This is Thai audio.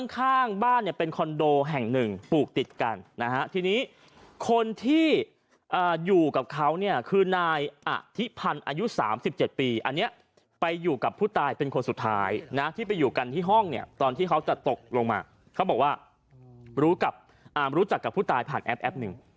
ข้างบ้านเนี่ยเป็นคอนโดแห่งหนึ่งปลูกติดกันนะฮะทีนี้คนที่อยู่กับเขาเนี่ยคือนายอธิพันธ์อายุ๓๗ปีอันนี้ไปอยู่กับผู้ตายเป็นคนสุดท้ายนะที่ไปอยู่กันที่ห้องเนี่ยตอนที่เขาจะตกลงมาเขาบอกว่ารู้จักกับผู้ตายผ่านแอปแป๊บหนึ่ง